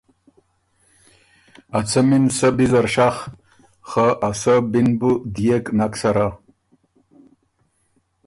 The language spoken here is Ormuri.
ا څمی ن سۀ بی زر شخ، خه ا سۀ بی ن بُو ديېک نک سَرَه،